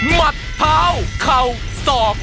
มัดเท้าเข่าศอก